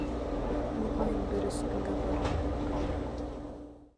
— Моғайын, бер өс көнгә барыр.